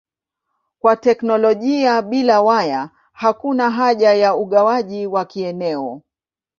Kwa teknolojia bila waya hakuna haja ya ugawaji wa kieneo.